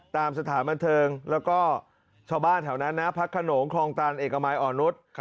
ตามสถานบัญเทิงแล้วก็ชาวบ้านเเต่าน้านะพัดขนมครองตันเอกมายอ่อนุท